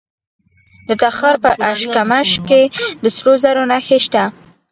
د تخار په اشکمش کې د سرو زرو نښې شته.